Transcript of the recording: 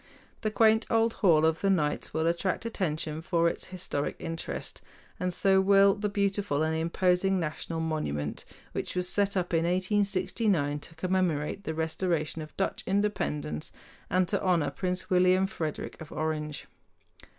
The quaint old Hall of the Knights will attract attention for its historic interest, and so will the beautiful and imposing national monument, which was set up in 1869 to commemorate the restoration of Dutch independence and to honor Prince William Frederick of Orange.